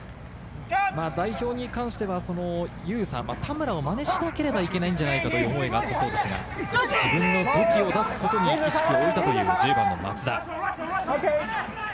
代表に関しては、田村をマネしなければいけないじゃないかという思いがあったそうですが、自分の武器を出すことに意識を置いたという１０番の松田。